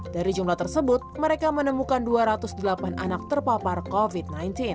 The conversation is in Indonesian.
dari jumlah tersebut mereka menemukan dua ratus delapan anak terpapar covid sembilan belas